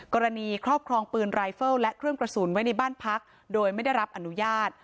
ครอบครองปืนรายเฟิลและเครื่องกระสุนไว้ในบ้านพักโดยไม่ได้รับอนุญาต